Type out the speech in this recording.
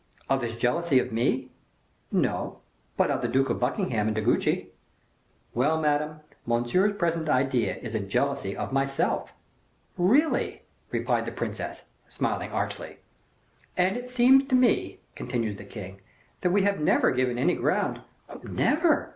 "Of his jealousy of me?" "No, but of the Duke of Buckingham and De Guiche." "Well, Madame, Monsieur's present idea is a jealousy of myself." "Really," replied the princess, smiling archly. "And it really seems to me," continued the king, "that we have never given any ground " "Never!